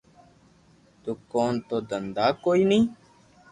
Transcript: دوڪون تو دھندا ڪوئي ني